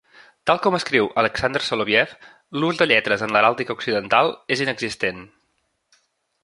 Tal com escriu Alexander Soloviev, l'ús de lletres en heràldica occidental és inexistent.